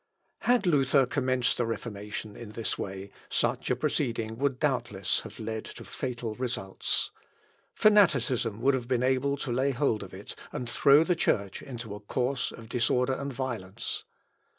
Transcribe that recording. L. Op. (W.) xxii, p. 1493 1496. Had Luther commenced the Reformation in this way, such a proceeding would doubtless have led to fatal results. Fanaticism would have been able to lay hold of it, and throw the Church into a course of disorder and violence.